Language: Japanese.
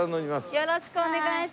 よろしくお願いします。